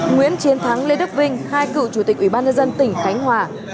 nguyễn chiến thắng lê đức vinh hai cựu chủ tịch ủy ban nhân dân tỉnh khánh hòa